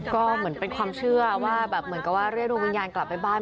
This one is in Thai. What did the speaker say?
ก็เหมือนเป็นความเชื่อว่าแบบเหมือนกับว่าเรียกดวงวิญญาณกลับไปบ้าน